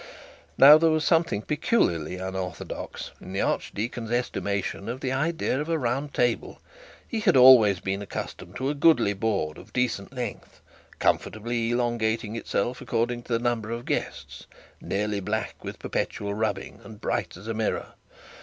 Now there was something peculiarly unorthodox in the archdeacon's estimation in the idea of a round table. He had always been accustomed to a goodly board of decent length, comfortably elongating itself according to the number of guests, nearly black with perpetual rubbing, and as bright as a mirror.